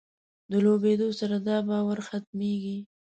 د لویېدو سره دا باور ختمېږي.